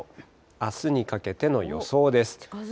あすにかけての予想です。